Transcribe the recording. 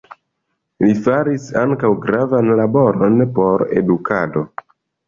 Li faris ankaŭ gravan laboron por edukado.